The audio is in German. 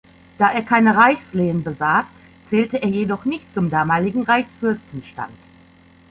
Da er keine Reichslehen besaß, zählte er jedoch nicht zum damaligen Reichsfürstenstand.